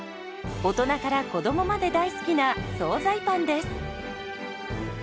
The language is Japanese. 大人から子どもまで大好きな総菜パンです。